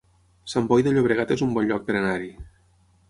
Sant Boi de Llobregat es un bon lloc per anar-hi